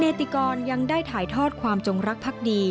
ติกรยังได้ถ่ายทอดความจงรักพักดี